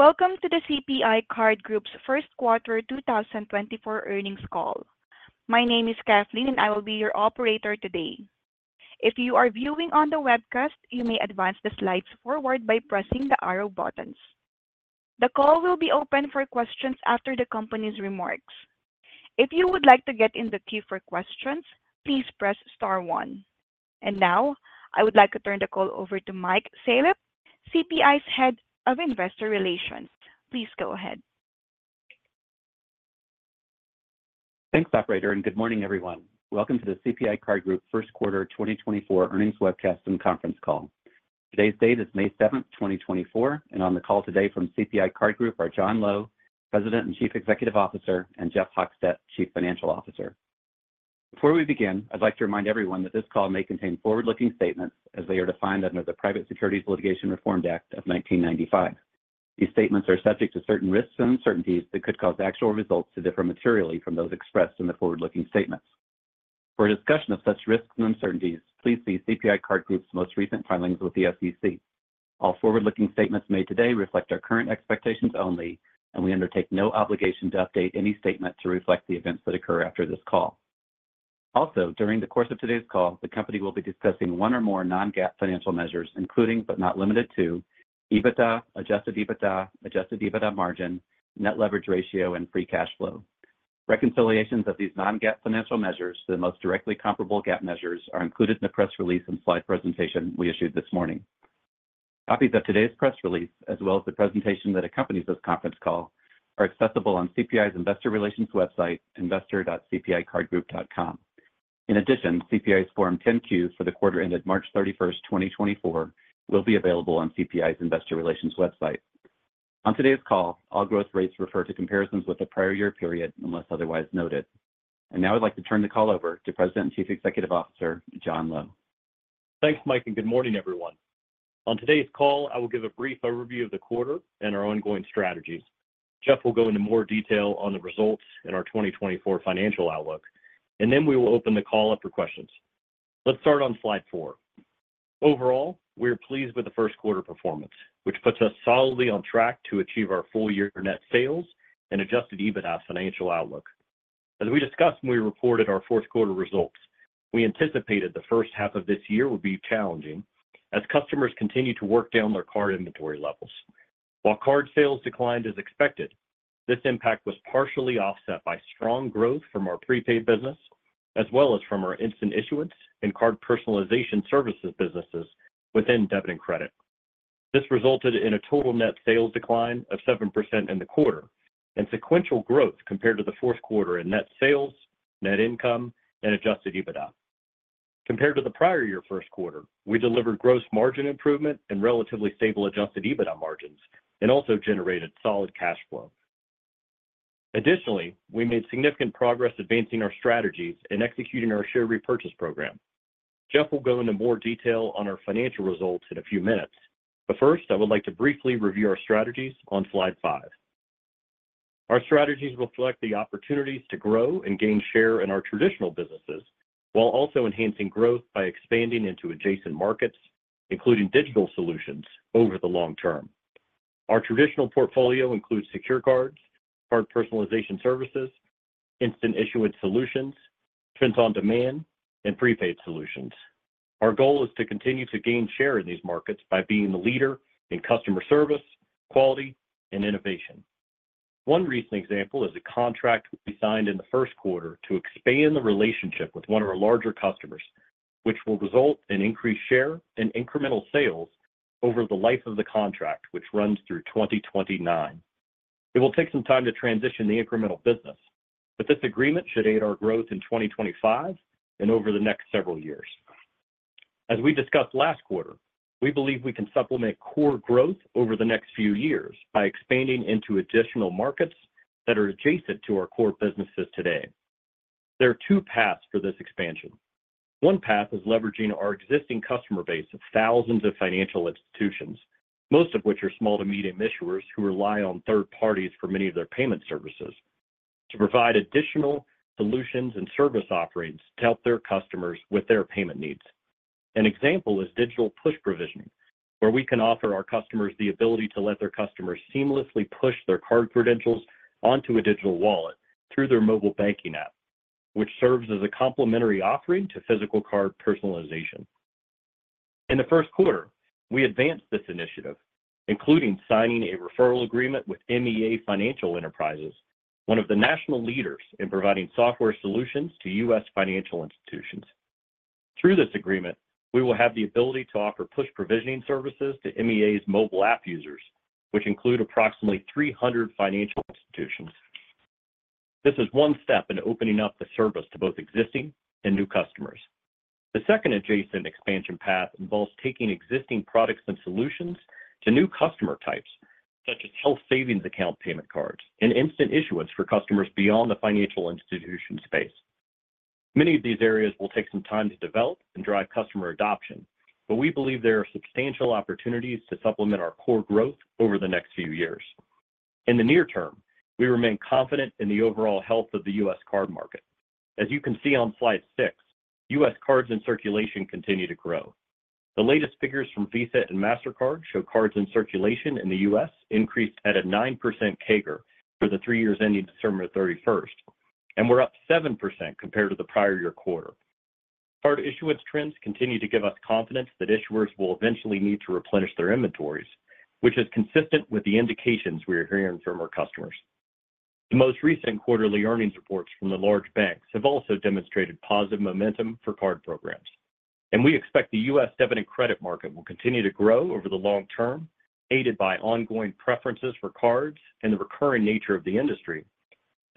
Welcome to the CPI Card Group's first quarter 2024 earnings call. My name is Kathleen, and I will be your operator today. If you are viewing on the webcast, you may advance the slides forward by pressing the arrow buttons. The call will be open for questions after the company's remarks. If you would like to get in the queue for questions, please press star one. Now, I would like to turn the call over to Mike Salop, CPI's Head of Investor Relations. Please go ahead. Thanks, operator, and good morning, everyone. Welcome to the CPI Card Group first quarter 2024 earnings webcast and conference call. Today's date is May 7th, 2024, and on the call today from CPI Card Group are John Lowe, President and Chief Executive Officer, and Jeff Hochstadt, Chief Financial Officer. Before we begin, I'd like to remind everyone that this call may contain forward-looking statements as they are defined under the Private Securities Litigation Reform Act of 1995. These statements are subject to certain risks and uncertainties that could cause actual results to differ materially from those expressed in the forward-looking statements. For a discussion of such risks and uncertainties, please see CPI Card Group's most recent filings with the SEC. All forward-looking statements made today reflect our current expectations only, and we undertake no obligation to update any statement to reflect the events that occur after this call. Also, during the course of today's call, the company will be discussing one or more non-GAAP financial measures, including, but not limited to, EBITDA, Adjusted EBITDA, Adjusted EBITDA margin, net leverage ratio, and free cash flow. Reconciliations of these non-GAAP financial measures to the most directly comparable GAAP measures are included in the press release and slide presentation we issued this morning. Copies of today's press release, as well as the presentation that accompanies this conference call, are accessible on CPI's investor relations website, investor.cpicardgroup.com. In addition, CPI's Form 10-Q for the quarter ended March 31st, 2024, will be available on CPI's investor relations website. On today's call, all growth rates refer to comparisons with the prior year period, unless otherwise noted. And now I'd like to turn the call over to President and Chief Executive Officer, John Lowe. Thanks, Mike, and good morning, everyone. On today's call, I will give a brief overview of the quarter and our ongoing strategies. Jeff will go into more detail on the results and our 2024 financial outlook, and then we will open the call up for questions. Let's start on slide four. Overall, we are pleased with the first quarter performance, which puts us solidly on track to achieve our full year net sales and Adjusted EBITDA financial outlook. As we discussed when we reported our fourth quarter results, we anticipated the first half of this year would be challenging as customers continue to work down their card inventory levels. While card sales declined as expected, this impact was partially offset by strong growth from our prepaid business, as well as from our instant issuance and card personalization services businesses within debit and credit. This resulted in a total net sales decline of 7% in the quarter and sequential growth compared to the fourth quarter in net sales, net income, and Adjusted EBITDA. Compared to the prior year first quarter, we delivered gross margin improvement and relatively stable Adjusted EBITDA margins and also generated solid cash flow. Additionally, we made significant progress advancing our strategies and executing our share repurchase program. Jeff will go into more detail on our financial results in a few minutes, but first, I would like to briefly review our strategies on slide five. Our strategies reflect the opportunities to grow and gain share in our traditional businesses, while also enhancing growth by expanding into adjacent markets, including digital solutions over the long term. Our traditional portfolio includes secure cards, card personalization services, instant issuance solutions, print on demand, and prepaid solutions. Our goal is to continue to gain share in these markets by being the leader in customer service, quality, and innovation. One recent example is a contract we signed in the first quarter to expand the relationship with one of our larger customers, which will result in increased share and incremental sales over the life of the contract, which runs through 2029. It will take some time to transition the incremental business, but this agreement should aid our growth in 2025 and over the next several years. As we discussed last quarter, we believe we can supplement core growth over the next few years by expanding into additional markets that are adjacent to our core businesses today. There are two paths for this expansion. One path is leveraging our existing customer base of thousands of financial institutions, most of which are small to medium issuers who rely on third parties for many of their payment services, to provide additional solutions and service offerings to help their customers with their payment needs. An example is digital push provisioning, where we can offer our customers the ability to let their customers seamlessly push their card credentials onto a digital wallet through their mobile banking app, which serves as a complimentary offering to physical card personalization. In the first quarter, we advanced this initiative, including signing a referral agreement with MEA Financial Enterprises, one of the national leaders in providing software solutions to U.S. financial institutions. Through this agreement, we will have the ability to offer push provisioning services to MEA's mobile app users, which include approximately 300 financial institutions. This is one step in opening up the service to both existing and new customers. The second adjacent expansion path involves taking existing products and solutions to new customer types, such as health savings account payment cards and instant issuance for customers beyond the financial institution space. Many of these areas will take some time to develop and drive customer adoption, but we believe there are substantial opportunities to supplement our core growth over the next few years. In the near term, we remain confident in the overall health of the U.S. card market. As you can see on slide six, U.S. cards in circulation continue to grow. The latest figures from Visa and Mastercard show cards in circulation in the U.S. increased at a 9% CAGR for the three years ending December 31st, and we're up 7% compared to the prior year quarter. Card issuance trends continue to give us confidence that issuers will eventually need to replenish their inventories, which is consistent with the indications we are hearing from our customers. The most recent quarterly earnings reports from the large banks have also demonstrated positive momentum for card programs, and we expect the U.S. debit and credit market will continue to grow over the long term, aided by ongoing preferences for cards and the recurring nature of the industry,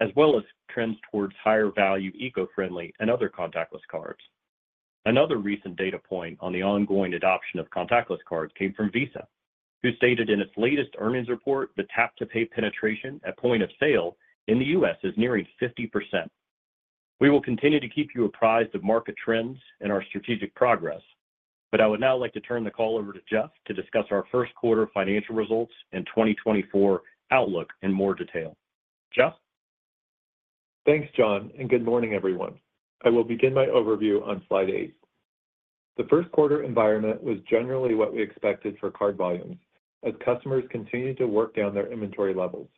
as well as trends towards higher value, eco-friendly, and other contactless cards. Another recent data point on the ongoing adoption of contactless cards came from Visa, who stated in its latest earnings report that tap-to-pay penetration at point of sale in the U.S. is nearing 50%. We will continue to keep you apprised of market trends and our strategic progress, but I would now like to turn the call over to Jeff to discuss our first quarter financial results and 2024 outlook in more detail. Jeff? Thanks, John, and good morning, everyone. I will begin my overview on slide eight. The first quarter environment was generally what we expected for card volumes as customers continued to work down their inventory levels.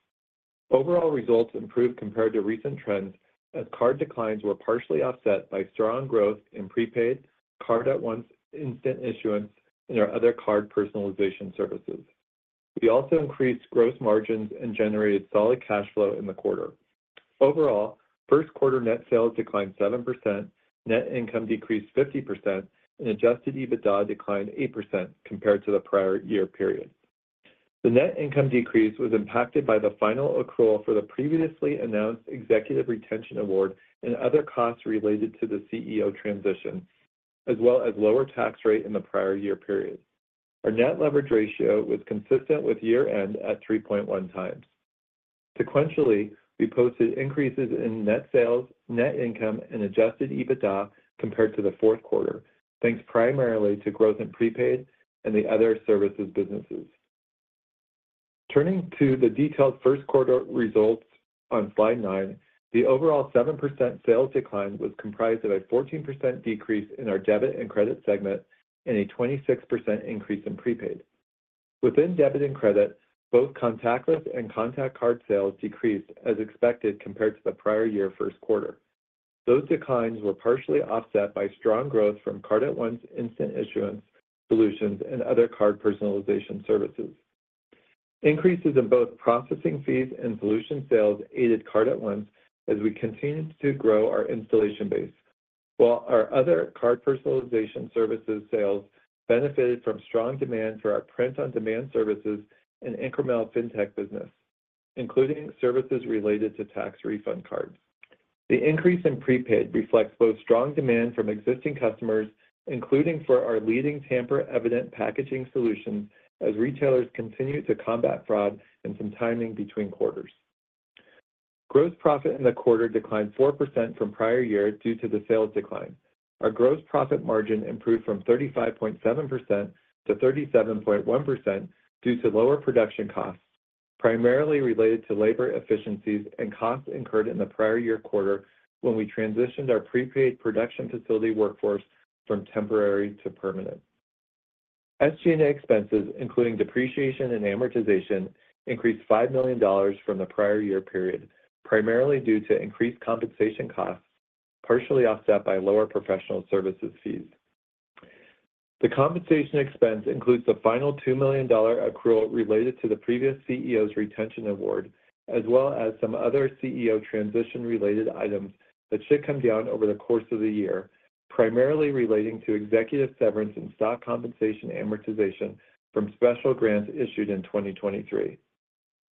Overall results improved compared to recent trends, as card declines were partially offset by strong growth in prepaid Card@Once instant issuance and our other card personalization services. We also increased gross margins and generated solid cash flow in the quarter. Overall, first quarter net sales declined 7%, net income decreased 50%, and Adjusted EBITDA declined 8% compared to the prior year period. The net income decrease was impacted by the final accrual for the previously announced executive retention award and other costs related to the CEO transition, as well as lower tax rate in the prior year period. Our net leverage ratio was consistent with year-end at 3.1x. Sequentially, we posted increases in net sales, net income, and Adjusted EBITDA compared to the fourth quarter, thanks primarily to growth in prepaid and the other services businesses. Turning to the detailed first quarter results on slide nine, the overall 7% sales decline was comprised of a 14% decrease in our debit and credit segment and a 26% increase in prepaid. Within debit and credit, both contactless and contact card sales decreased as expected compared to the prior year first quarter. Those declines were partially offset by strong growth from Card@Once instant issuance solutions and other card personalization services. Increases in both processing fees and solution sales aided Card@Once as we continued to grow our installation base, while our other card personalization services sales benefited from strong demand for our print-on-demand services and incremental fintech business, including services related to tax refund cards. The increase in prepaid reflects both strong demand from existing customers, including for our leading tamper-evident packaging solutions, as retailers continue to combat fraud and some timing between quarters. Gross profit in the quarter declined 4% from prior year due to the sales decline. Our gross profit margin improved from 35.7% to 37.1% due to lower production costs, primarily related to labor efficiencies and costs incurred in the prior year quarter when we transitioned our prepaid production facility workforce from temporary to permanent. SG&A expenses, including depreciation and amortization, increased $5 million from the prior year period, primarily due to increased compensation costs, partially offset by lower professional services fees. The compensation expense includes the final $2 million dollar accrual related to the previous CEO's retention award, as well as some other CEO transition-related items that should come down over the course of the year, primarily relating to executive severance and stock compensation amortization from special grants issued in 2023.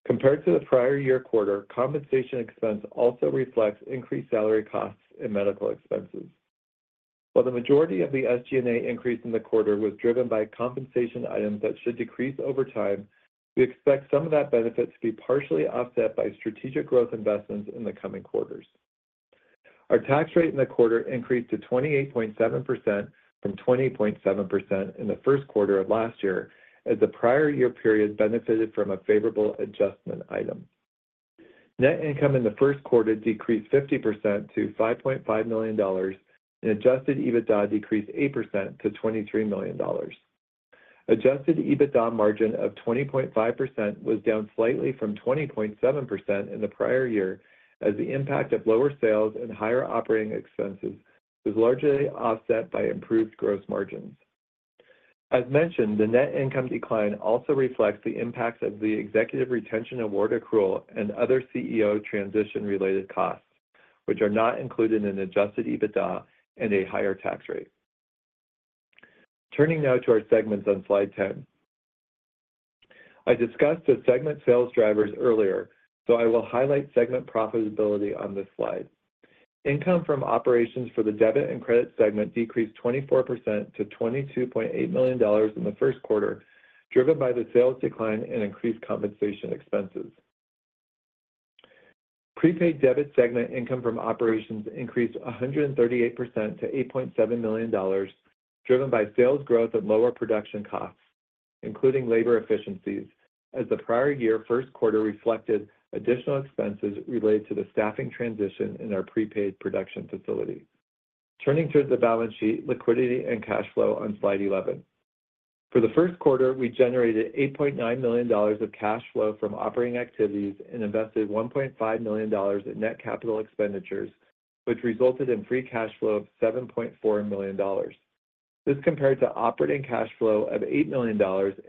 Compared to the prior year quarter, compensation expense also reflects increased salary costs and medical expenses. While the majority of the SG&A increase in the quarter was driven by compensation items that should decrease over time, we expect some of that benefit to be partially offset by strategic growth investments in the coming quarters. Our tax rate in the quarter increased to 28.7% from 20.7% in the first quarter of last year, as the prior year period benefited from a favorable adjustment item. Net income in the first quarter decreased 50% to $5.5 million, and Adjusted EBITDA decreased 8% to $23 million. Adjusted EBITDA margin of 20.5% was down slightly from 20.7% in the prior year, as the impact of lower sales and higher operating expenses was largely offset by improved gross margins. As mentioned, the net income decline also reflects the impacts of the executive retention award accrual and other CEO transition-related costs, which are not included in Adjusted EBITDA and a higher tax rate. Turning now to our segments on slide 10. I discussed the segment sales drivers earlier, so I will highlight segment profitability on this slide. Income from operations for the debit and credit segment decreased 24% to $22.8 million in the first quarter, driven by the sales decline and increased compensation expenses. Prepaid debit segment income from operations increased 138% to $8.7 million, driven by sales growth at lower production costs, including labor efficiencies, as the prior year first quarter reflected additional expenses related to the staffing transition in our prepaid production facility. Turning to the balance sheet, liquidity, and cash flow on slide 11. For the first quarter, we generated $8.9 million of cash flow from operating activities and invested $1.5 million in net capital expenditures, which resulted in free cash flow of $7.4 million. This compared to operating cash flow of $8 million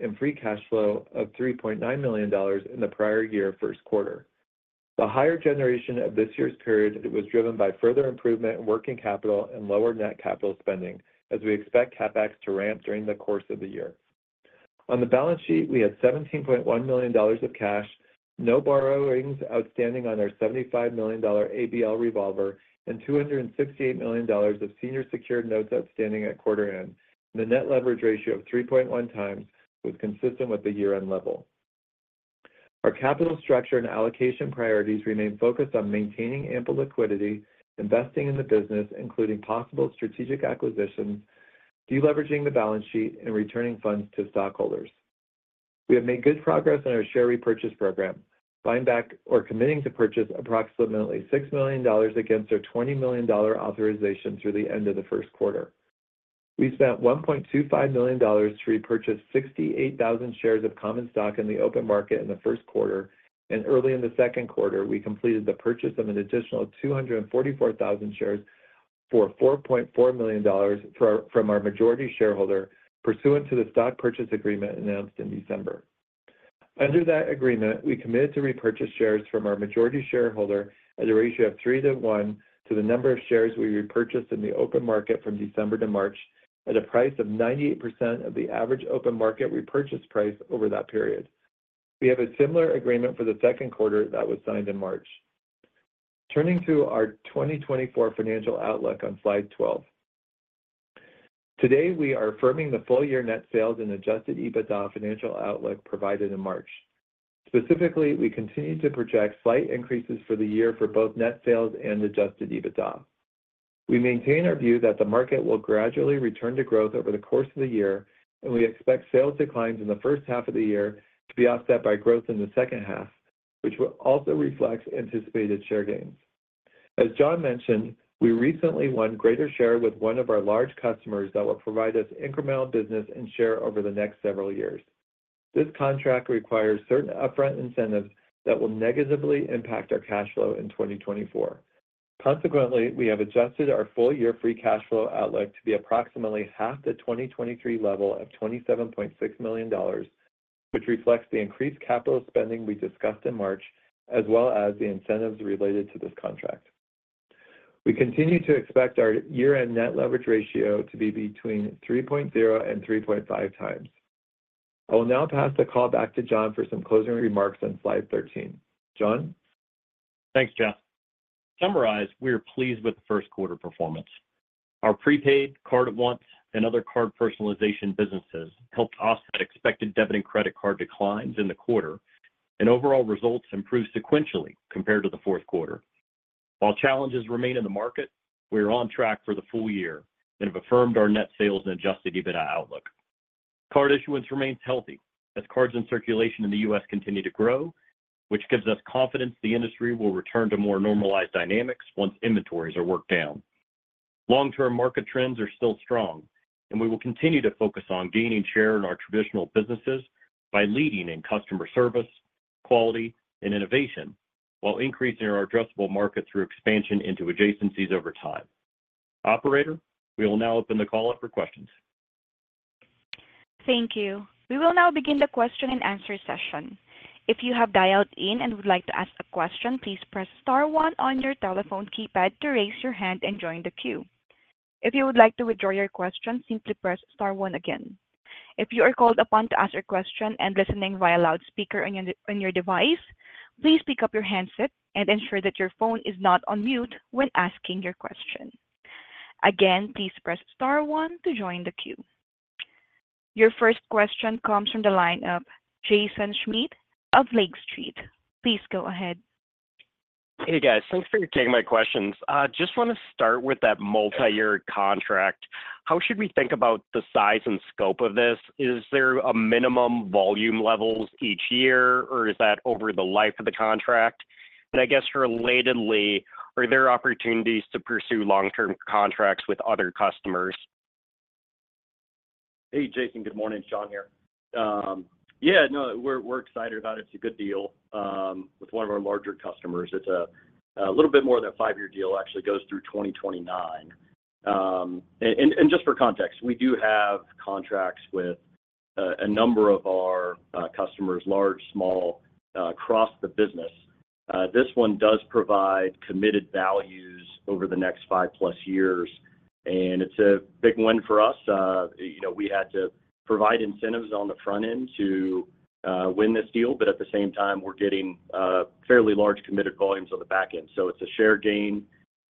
and free cash flow of $3.9 million in the prior year first quarter. The higher generation of this year's period was driven by further improvement in working capital and lower net capital spending, as we expect CapEx to ramp during the course of the year. On the balance sheet, we had $17.1 million of cash, no borrowings outstanding on our $75 million ABL revolver, and $268 million of senior secured notes outstanding at quarter end. The net leverage ratio of 3.1x was consistent with the year-end level. Our capital structure and allocation priorities remain focused on maintaining ample liquidity, investing in the business, including possible strategic acquisitions, de-leveraging the balance sheet, and returning funds to stockholders. We have made good progress on our share repurchase program, buying back or committing to purchase approximately $6 million against our $20 million authorization through the end of the first quarter. We spent $1.25 million to repurchase 68,000 shares of common stock in the open market in the first quarter, and early in the second quarter, we completed the purchase of an additional 244,000 shares for $4.4 million from our majority shareholder, pursuant to the stock purchase agreement announced in December. Under that agreement, we committed to repurchase shares from our majority shareholder at a ratio of 3 to 1 to the number of shares we repurchased in the open market from December to March at a price of 98% of the average open market repurchase price over that period. We have a similar agreement for the second quarter that was signed in March. Turning to our 2024 financial outlook on slide 12. Today, we are affirming the full-year net sales and Adjusted EBITDA financial outlook provided in March. Specifically, we continue to project slight increases for the year for both net sales and Adjusted EBITDA. We maintain our view that the market will gradually return to growth over the course of the year, and we expect sales declines in the first half of the year to be offset by growth in the second half, which will also reflect anticipated share gains. As John mentioned, we recently won greater share with one of our large customers that will provide us incremental business and share over the next several years. This contract requires certain upfront incentives that will negatively impact our cash flow in 2024. Consequently, we have adjusted our full-year free cash flow outlook to be approximately half the 2023 level of $27.6 million, which reflects the increased capital spending we discussed in March, as well as the incentives related to this contract. We continue to expect our year-end net leverage ratio to be between 3.0x and 3.5x. I will now pass the call back to John for some closing remarks on slide 13. John? Thanks, Jeff. To summarize, we are pleased with the first quarter performance. Our prepaid Card@Once and other card personalization businesses helped offset expected debit and credit card declines in the quarter, and overall results improved sequentially compared to the fourth quarter. While challenges remain in the market, we are on track for the full year and have affirmed our net sales and Adjusted EBITDA outlook. Card issuance remains healthy as cards in circulation in the U.S. continue to grow, which gives us confidence the industry will return to more normalized dynamics once inventories are worked down. Long-term market trends are still strong, and we will continue to focus on gaining share in our traditional businesses by leading in customer service, quality, and innovation, while increasing our addressable market through expansion into adjacencies over time. Operator, we will now open the call up for questions. Thank you. We will now begin the question and answer session. If you have dialed in and would like to ask a question, please press star one on your telephone keypad to raise your hand and join the queue. If you would like to withdraw your question, simply press star one again. If you are called upon to ask a question and listening via loudspeaker on your device, please pick up your handset and ensure that your phone is not on mute when asking your question. Again, please press star one to join the queue. Your first question comes from the line of Jaeson Schmidt of Lake Street. Please go ahead. Hey, guys. Thanks for taking my questions. Just want to start with that multiyear contract. How should we think about the size and scope of this? Is there a minimum volume levels each year, or is that over the life of the contract? And I guess relatedly, are there opportunities to pursue long-term contracts with other customers? Hey, Jaeson. Good morning, John here. Yeah, no, we're, we're excited about it. It's a good deal with one of our larger customers. It's a little bit more than a 5-year deal, actually goes through 2029. And just for context, we do have contracts with a number of our customers, large, small, across the business. This one does provide committed values over the next 5+ years, and it's a big win for us. You know, we had to provide incentives on the front end to win this deal, but at the same time, we're getting fairly large committed volumes on the back end. So it's a share gain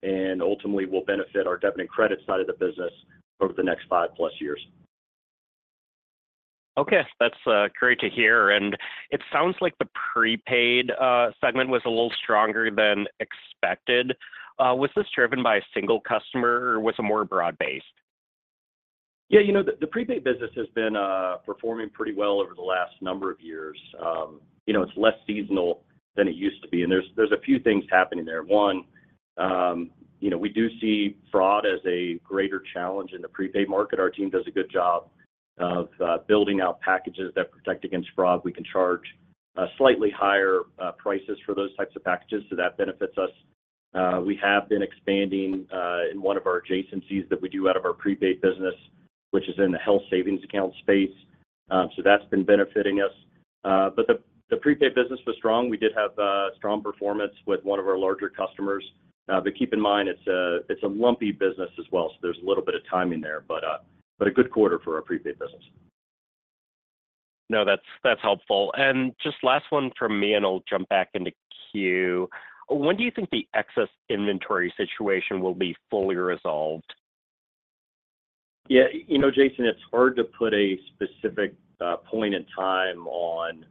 and ultimately will benefit our debit and credit side of the business over the next 5+ years. Okay, that's great to hear. It sounds like the prepaid segment was a little stronger than expected. Was this driven by a single customer, or was it more broad-based? Yeah, you know, the prepaid business has been performing pretty well over the last number of years. You know, it's less seasonal than it used to be, and there's a few things happening there. One, you know, we do see fraud as a greater challenge in the prepaid market. Our team does a good job of building out packages that protect against fraud. We can charge slightly higher prices for those types of packages, so that benefits us. We have been expanding in one of our adjacencies that we do out of our prepaid business, which is in the health savings account space. So that's been benefiting us. But the prepaid business was strong. We did have strong performance with one of our larger customers. But keep in mind, it's a, it's a lumpy business as well, so there's a little bit of timing there, but, but a good quarter for our prepaid business. No, that's, that's helpful. And just last one from me, and I'll jump back into queue. When do you think the excess inventory situation will be fully resolved? Yeah, you know, Jaeson, it's hard to put a specific point in time on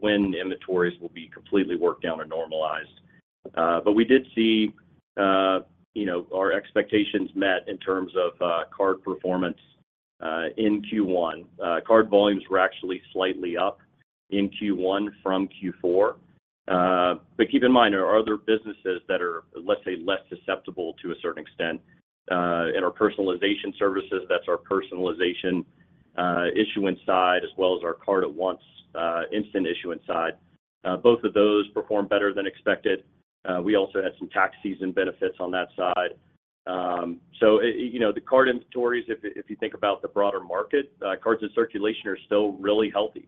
when inventories will be completely worked down or normalized. But we did see, you know, our expectations met in terms of card performance in Q1. Card volumes were actually slightly up in Q1 from Q4. But keep in mind, there are other businesses that are, let's say, less susceptible to a certain extent. In our personalization services, that's our personalization issuance side, as well as our Card@Once instant issuance side. Both of those performed better than expected. We also had some tax season benefits on that side. So you know, the card inventories, if you think about the broader market, cards in circulation are still really healthy.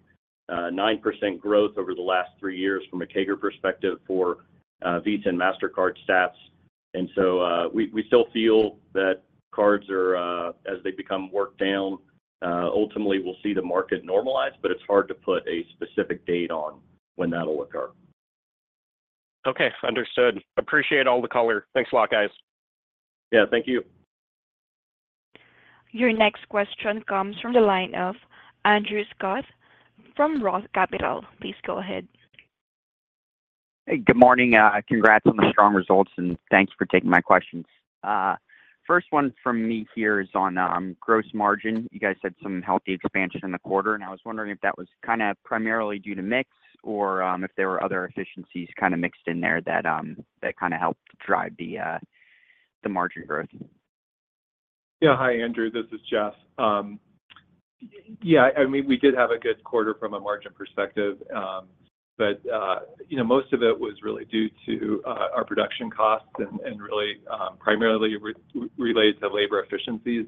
9% growth over the last three years from a CAGR perspective for Visa and Mastercard stats. And so, we still feel that cards are as they become worked down, ultimately, we'll see the market normalize, but it's hard to put a specific date on when that'll occur. Okay, understood. Appreciate all the color. Thanks a lot, guys. Yeah, thank you. Your next question comes from the line of Andrew Scutt from Roth Capital. Please go ahead. Hey, good morning. Congrats on the strong results, and thanks for taking my questions. First one from me here is on gross margin. You guys had some healthy expansion in the quarter, and I was wondering if that was kind of primarily due to mix or if there were other efficiencies kind of mixed in there that that kind of helped drive the margin growth? Yeah. Hi, Andrew. This is Jeff. Yeah, I mean, we did have a good quarter from a margin perspective, but, you know, most of it was really due to our production costs and, and really, primarily relates to labor efficiencies.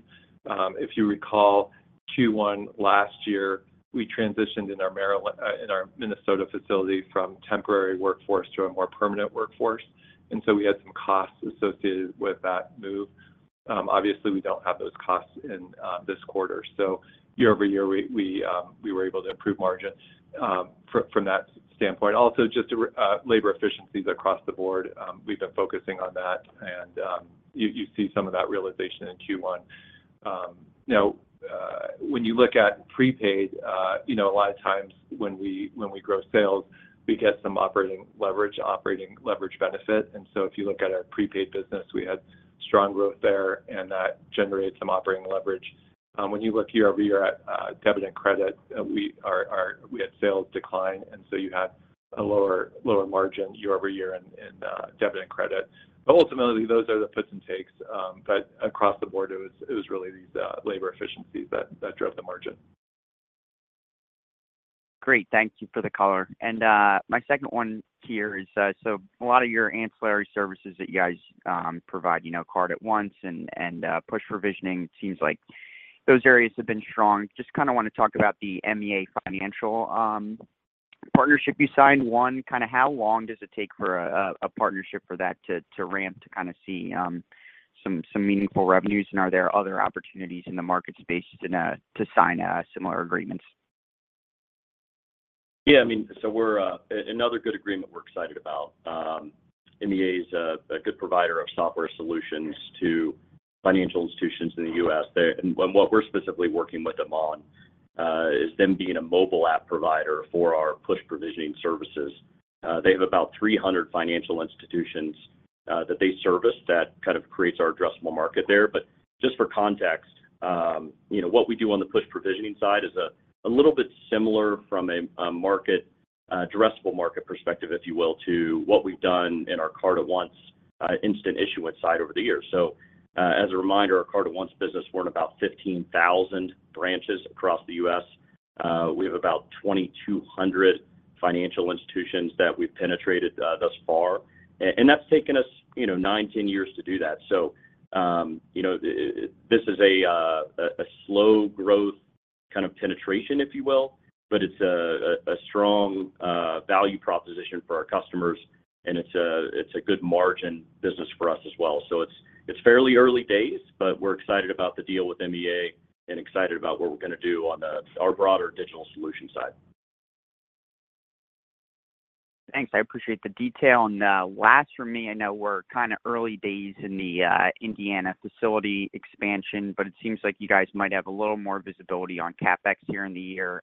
If you recall, Q1 last year, we transitioned in our Minnesota facility from temporary workforce to a more permanent workforce, and so we had some costs associated with that move. Obviously, we don't have those costs in this quarter, so year-over-year, we were able to improve margins from that standpoint. Also, just labor efficiencies across the board, we've been focusing on that, and you see some of that realization in Q1. Now, when you look at prepaid, you know, a lot of times when we, when we grow sales, we get some operating leverage, operating leverage benefit. And so if you look at our prepaid business, we had strong growth there, and that generated some operating leverage. When you look year-over-year at debit and credit, we had sales decline, and so you had a lower, lower margin year-over-year in debit and credit. But ultimately, those are the puts and takes. But across the board, it was really these labor efficiencies that drove the margin. Great. Thank you for the color. And, my second one here is, so a lot of your ancillary services that you guys provide, you know, Card@Once and push provisioning, it seems like those areas have been strong. Just kind of want to talk about the MEA Financial partnership you signed. One, kind of how long does it take for a partnership for that to ramp to kind of see some meaningful revenues? And are there other opportunities in the market space to sign similar agreements? Yeah, I mean, so we're another good agreement we're excited about. MEA is a good provider of software solutions to financial institutions in the U.S. They and what we're specifically working with them on is them being a mobile app provider for our push provisioning services. They have about 300 financial institutions that they service that kind of creates our addressable market there. But just for context, you know, what we do on the push provisioning side is a little bit similar from a market addressable market perspective, if you will, to what we've done in our Card@Once instant Issuance side over the years. So, as a reminder, our Card@Once business, we're in about 15,000 branches across the U.S. We have about 2,200 financial institutions that we've penetrated thus far. And that's taken us, you know, 9 years-10 years to do that. So you know, this is a slow growth kind of penetration, if you will, but it's a strong value proposition for our customers, and it's a good margin business for us as well. So it's fairly early days, but we're excited about the deal with MEA and excited about what we're gonna do on our broader digital solution side. Thanks, I appreciate the detail. And last from me, I know we're kind of early days in the Indiana facility expansion, but it seems like you guys might have a little more visibility on CapEx here in the year.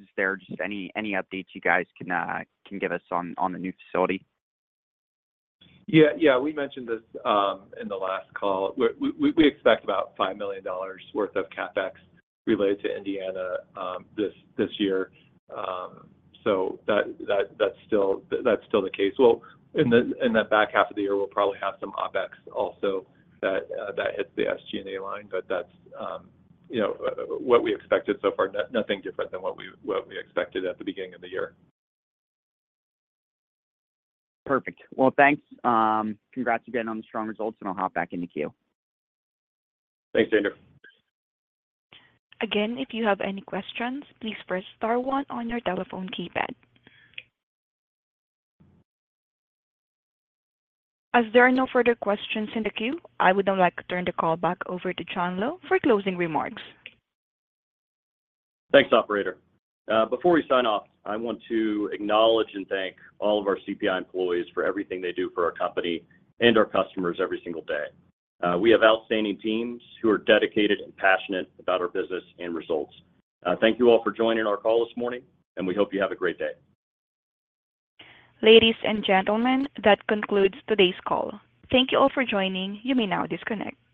Is there just any updates you guys can give us on the new facility? Yeah, yeah, we mentioned this in the last call. We expect about $5 million worth of CapEx related to Indiana this year. So that's still the case. Well, in the back half of the year, we'll probably have some OpEx also that hits the SG&A line, but that's, you know, what we expected so far. Nothing different than what we expected at the beginning of the year. Perfect. Well, thanks. Congrats again on the strong results, and I'll hop back in the queue. Thanks, Andrew. Again, if you have any questions, please press star one on your telephone keypad. As there are no further questions in the queue, I would now like to turn the call back over to John Lowe for closing remarks. Thanks, operator. Before we sign off, I want to acknowledge and thank all of our CPI employees for everything they do for our company and our customers every single day. We have outstanding teams who are dedicated and passionate about our business and results. Thank you all for joining our call this morning, and we hope you have a great day. Ladies and gentlemen, that concludes today's call. Thank you all for joining. You may now disconnect.